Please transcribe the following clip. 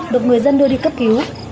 được người dân đưa đi cấp cứu